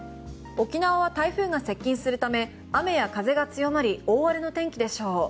沖縄は台風が接近するため雨や風が強まり大荒れの天気でしょう。